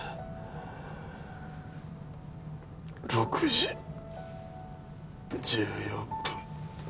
６時１４分５秒。